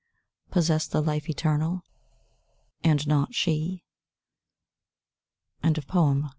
Possess the life eternal, and not She? VI. A PRAYER.